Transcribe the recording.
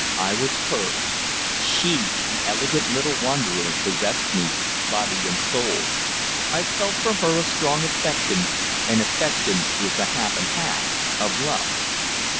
I was hers. She, the elegant little wanderer, possessed me, body and soul. I felt for her a strong affection, and affection is the half and half of love.